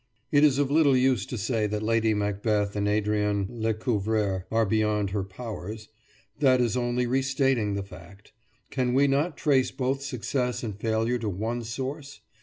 It is of little use to say that Lady Macbeth and Adrienne Lecouvreur are beyond her powers; that is only restating the fact. Can we not trace both success and failure to one source?